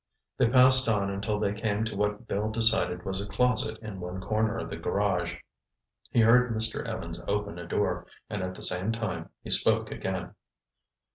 They passed on until they came to what Bill decided was a closet in one corner of the garage. He heard Mr. Evans open a door, and at the same time he spoke again.